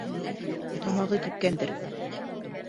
Тамағы кипкәндер...